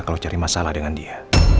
kalau cari masalah dengan dia